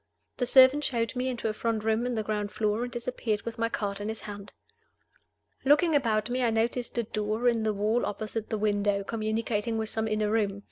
The servant showed me into a front room on the ground floor, and disappeared with my card in his hand. Looking about me, I noticed a door in the wall opposite the window, communicating with some inner room.